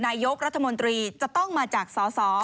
นายกรัฐมนตรีจะต้องมาจากสส